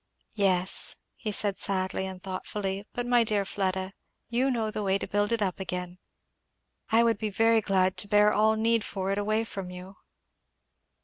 "Yes! " he said sadly and thoughtfully; "but my dear Miss Fleda, you know the way to build it up again. I would be very glad to bear all need for it away from you!"